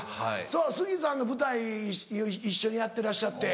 そう杉さんの舞台一緒にやってらっしゃって。